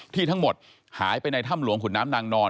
ทั้งหมดหายไปในถ้ำหลวงขุนน้ำนางนอน